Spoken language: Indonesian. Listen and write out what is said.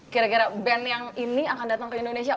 kira kira band yang ini akan datang ke indonesia